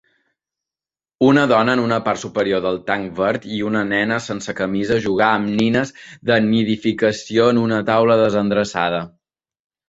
Una dona en una part superior del tanc verd i una nena sense camisa jugar amb nines de nidificació en una taula desendreçada